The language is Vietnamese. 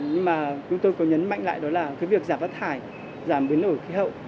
nhưng mà chúng tôi có nhấn mạnh lại đó là cái việc giảm vắt thải giảm bến nổi khí hậu